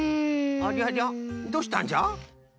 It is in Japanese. ありゃりゃどうしたんじゃ？